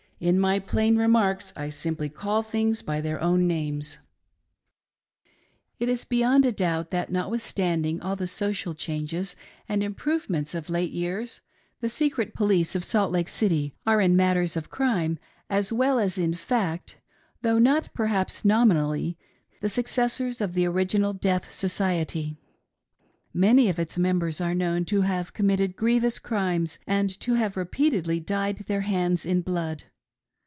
In my plain remarks I simply call things by their own names." It is beyond a doubt that, notwithstanding all the social changes and improvements of late years, the secret police of SAINTLY' NOTIONS OF THE RIGHTS OF PROPERTY. '305 Salt Lake City are in matters of crime, as well as in fact, though not perhaps nominally, the successors of the original " death society ;"— many of its members are known to have committed grievous crimes and to have repeatedly dyed their hands in blood.